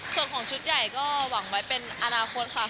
ส่วนของชุดใหญ่ก็หวังไว้เป็นอนาคตค่ะ